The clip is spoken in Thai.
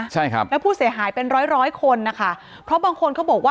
อ๋อเจ้าสีสุข่าวของสิ้นพอได้ด้วย